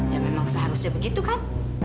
ya memang seharusnya begitu kan